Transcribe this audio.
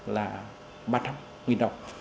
là ba trăm linh nghìn đồng